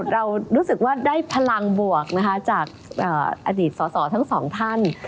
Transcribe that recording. เรารู้สึกว่าได้พลังบวกนะคะจากอดีตสอสอทั้งสองท่าน